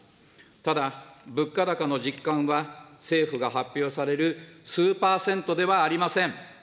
ただ、物価高の実感は政府が発表される数％ではありません。